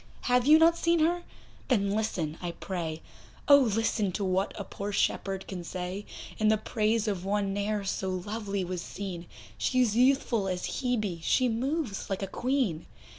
Have you not seen her? then listen I pray, Oh! listen to what a poor shepherd can say In the praise of one ne'er so lovely was seen; She's youthful as Hebe, she moves like a Queen.